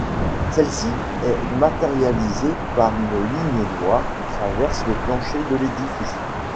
Celle-ci est matérialisée par une ligne noire qui traverse le plancher de l’édifice.